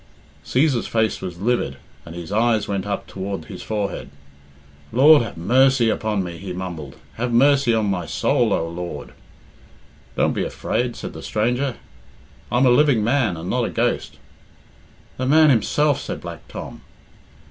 Cæsar's face was livid, and his eyes went up toward his forehead. "Lord have mercy upon me," he mumbled; "have mercy on my soul, O Lord." "Don't be afraid," said the stranger. "I'm a living man and not a ghost." "The man himself," said Black Tom.